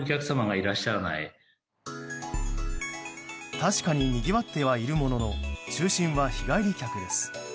確かににぎわってはいるものの中心は日帰り客です。